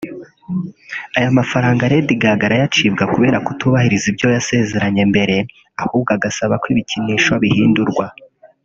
Aya mafaranga Lady Gaga arayacibwa kubera kutubahiriza ibyo basezeranye mbere ahubwo agasaba ko ibi bikinisho bihindurwa